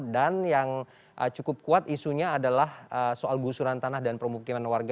dan yang cukup kuat isunya adalah soal gusuran tanah dan permukiman warga